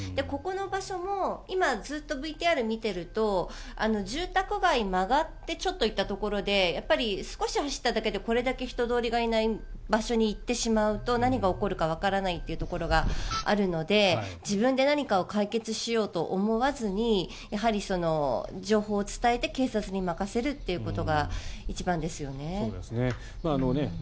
ここの場所も今、ずっとＶＴＲ見ていると住宅街を曲がってちょっと行ったところで少し走っただけでこれだけ人通りがいない場所に行ってしまうと何が起こるかわからないというところがあるので自分で何かを解決しようと思わずにやはり情報を伝えて警察に任せるということが一番ですよね。